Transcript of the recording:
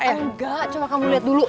enggak cuma kamu lihat dulu